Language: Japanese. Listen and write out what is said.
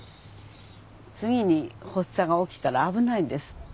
次に発作が起きたら危ないんですって。